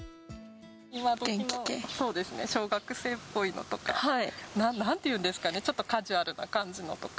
今どきの小学生っぽいのとか、なんていうんですかね、ちょっとカジュアルな感じのとか。